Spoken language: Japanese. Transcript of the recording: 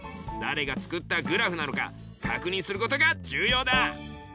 だれが作ったグラフなのか確認することが重要だ！